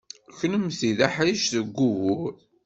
Kennemti d aḥric seg ugur.